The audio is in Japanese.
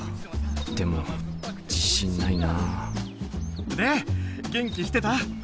でも自信ないなで元気してた？